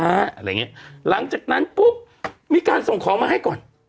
อะไรอย่างเงี้ยหลังจากนั้นปุ๊บมีการส่งของมาให้ก่อน